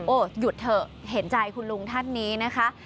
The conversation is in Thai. หยุดเถอะเห็นใจคุณลุงท่านนี้นะคะ